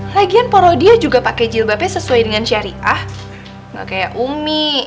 lagian poro dia juga pakai jilbabnya sesuai dengan syariah enggak kayak umi